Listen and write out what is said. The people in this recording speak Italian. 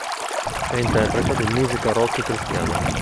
È interprete di musica rock cristiana.